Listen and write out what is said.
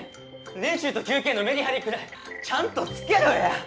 練習と休憩のメリハリくらいちゃんとつけろや！